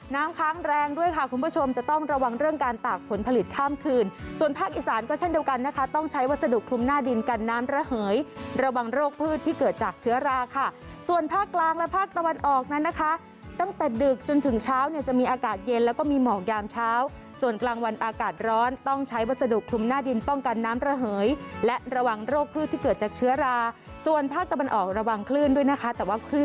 น้ำค้างแรงด้วยค่ะคุณผู้ชมจะต้องระวังเรื่องการตากผลผลิตข้ามคืนส่วนภาคอีสานก็เช่นเดียวกันนะคะต้องใช้วัสดุคลุมหน้าดินกันน้ำระเหยระวังโรคพืชที่เกิดจากเชื้อราค่ะส่วนภาคกลางและภาคตะวันออกนะคะตั้งแต่ดึกจนถึงเช้าเนี่ยจะมีอากาศเย็นแล้วก็มีหมอกยามเช้าส่วนกลางวันอากาศร้อนต